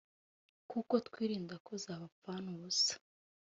kuko twirinda ko zabapfana ubusa